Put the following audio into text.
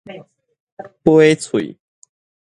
掰喙